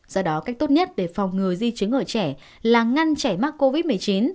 do đó cách tốt nhất để phòng ngừa di chứng ở trẻ là ngăn trẻ mắc covid một mươi chín